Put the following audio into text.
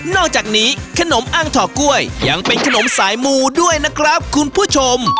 อกจากนี้ขนมอ้างถอกล้วยยังเป็นขนมสายมูด้วยนะครับคุณผู้ชม